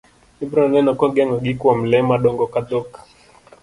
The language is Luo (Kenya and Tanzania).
Ibiro neno kogeng'o gi kuom le madongo kaka dhok.